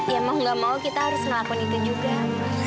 ya mau gak mau kita harus ngelakun itu juga